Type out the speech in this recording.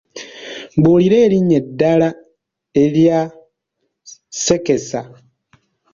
Mbuulira erinnya eddala erya ssekesa?